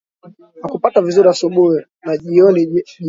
nakupata vizuri asubuhi na jioni ee